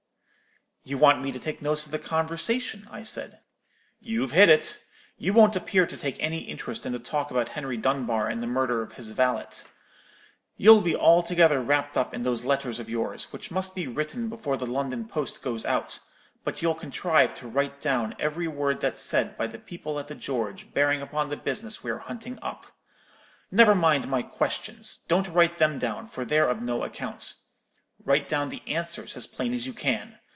"'You want me to take notes of the conversation,' I said. "'You've hit it. You won't appear to take any interest in the talk about Henry Dunbar and the murder of his valet. You'll be altogether wrapped up in those letters of yours, which must be written before the London post goes out; but you'll contrive to write down every word that's said by the people at the George bearing upon the business we're hunting up. Never mind my questions; don't write them down, for they're of no account. Write down the answers as plain as you can.